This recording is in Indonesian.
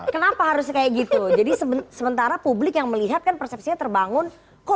kenapa harus kayak gitu jadi sementara publik yang melihatkan persepsinya terbangun kalau